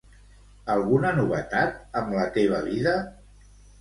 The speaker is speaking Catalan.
Alguna novetat amb la teva vida?